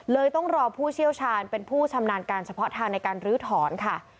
ต้องรอผู้เชี่ยวชาญเป็นผู้ชำนาญการเฉพาะทางในการลื้อถอนค่ะ